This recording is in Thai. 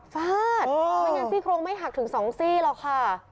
ฟาดไม่งั้นซี่โครงไม่หักถึง๒ซี่หรอกค่ะ